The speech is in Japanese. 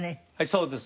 そうです。